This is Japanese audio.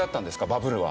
バブルは。